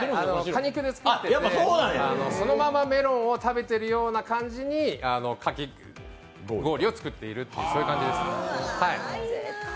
果肉で作ってて、そのままメロンを食べているような感じにかき氷を作っているっていうそういう感じです。